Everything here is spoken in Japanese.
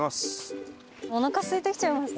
おなかすいてきちゃいましたね。